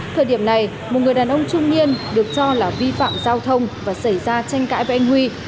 thời điểm này một người đàn ông trung niên được cho là vi phạm giao thông và xảy ra tranh cãi với anh huy